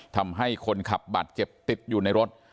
ทำให้คนขับบาดเจ็บติดอยู่ในรถ